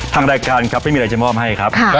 ทางรายการครับไม่มีอะไรจะมอบให้ครับ